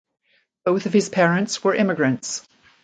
Both of his parents were immigrants.